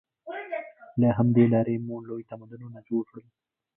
له همدې لارې مو لوی تمدنونه جوړ کړل.